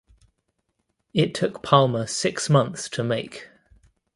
It took Palmer six months to make.